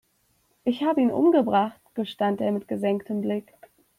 "Ich habe ihn umgebracht", gestand er mit gesenktem Blick.